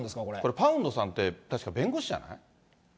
パウンドさんって確か弁護士じゃない？